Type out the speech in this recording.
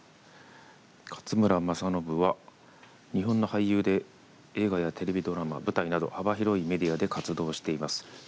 「勝村政信は日本の俳優で映画やテレビドラマ、舞台など幅広いメディアで活動しています。